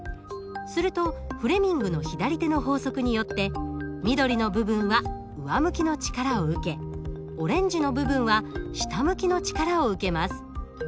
するとフレミングの左手の法則によって緑の部分は上向きの力を受けオレンジの部分は下向きの力を受けます。